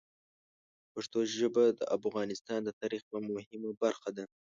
پښتو ژبه د افغانستان د تاریخ یوه مهمه برخه ده.